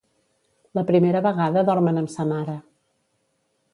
La primera vegada dormen amb sa mare.